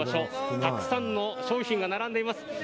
たくさんの商品が並んでいます。